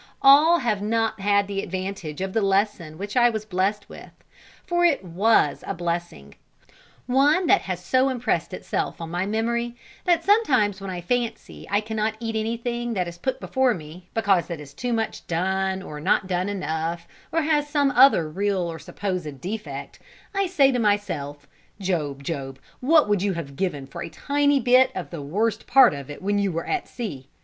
All have not had the advantage of the lesson which I was blessed with; for it was a blessing; one that has so impressed itself on my memory, that sometimes when I fancy I cannot eat anything that is put before me, because it is too much done, or not done enough, or has some other real or supposed defect, I say to myself, "Job, Job, what would you have given for a tiny bit of the worst part of it when you were at sea?"